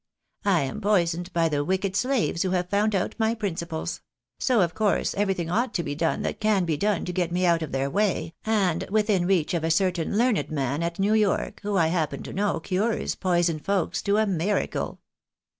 I am poisoned by the wicked slaves who have foxmd out my principles ; so of course everything ought to be done that can be done to get me out of their way, and within reach of a cer tain learned man at New York, who I happen to know cures poisoned folks to a miracle."